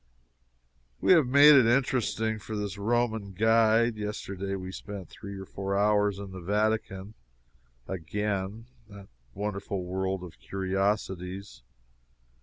We have made it interesting for this Roman guide. Yesterday we spent three or four hours in the Vatican, again, that wonderful world of curiosities.